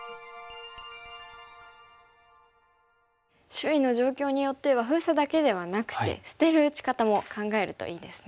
周囲の状況によっては封鎖だけではなくて捨てる打ち方も考えるといいですね。